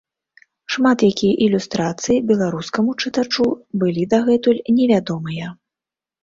Шмат якія ілюстрацыі беларускаму чытачу былі дагэтуль невядомыя.